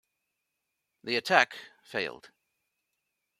The attack failed.